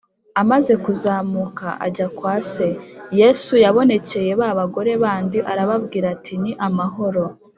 amaze kuzamuka ajya kwa se, yesu yabonekeye ba bagore bandi arababwira ati: “ni amahoro!